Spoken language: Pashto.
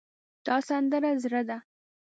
دا سندره زړه ده